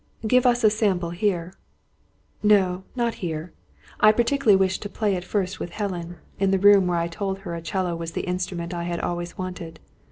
"Give us a sample here." "No, not here. I particularly wish to play it first with Helen, in the room where I told her a 'cello was the instrument I had always wanted.